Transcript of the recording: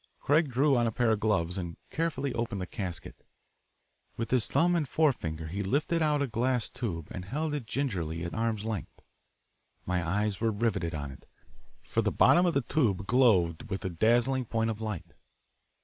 Craig drew on a pair of gloves and carefully opened the casket. With his thumb and forefinger he lifted out a glass tube and held it gingerly at arm's length. My eyes were riveted on it, for the bottom of the tube glowed with a dazzling point of light.